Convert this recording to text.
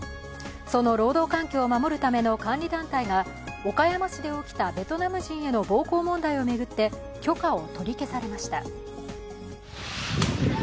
その労働環境を守るための監理団体が岡山市で起きたベトナム人への暴行問題を巡って許可を取り消されました。